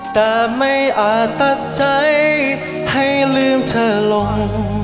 แต่ไม่อาจตัดใจให้ลืมเธอลง